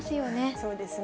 そうですね。